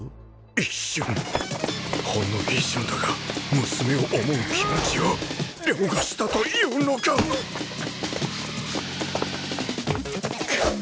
一瞬ほんの一瞬だが娘を思う気持ちを凌駕したというのかフン